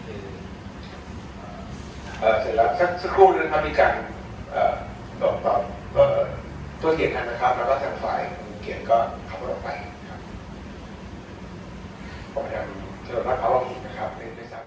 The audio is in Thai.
เสร็จแล้วสักครู่เรื่องภารกิจการตอบตัวเขียนกันนะครับแล้วก็สั่งไฟล์เขียนก็เข้าลงไปครับ